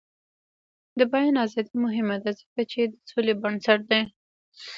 د بیان ازادي مهمه ده ځکه چې د سولې بنسټ دی.